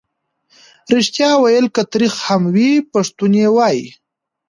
ریښتیا ویل که تریخ هم وي پښتون یې وايي.